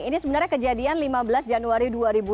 ini sebenarnya kejadian lima belas januari dua ribu dua puluh